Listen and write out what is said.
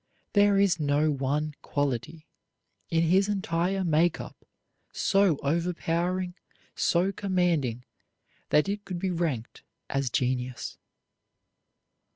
There is no one quality in his entire make up so overpowering, so commanding that it could be ranked as genius.